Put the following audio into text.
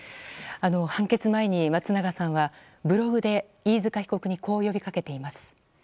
判決前に、松永さんはブログで飯塚被告にこう呼びかけています。